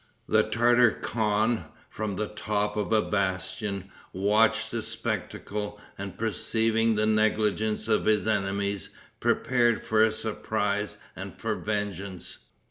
The Tartar khan, from the top of a bastion, watched the spectacle, and perceiving the negligence of his enemies, prepared for a surprise and for vengeance.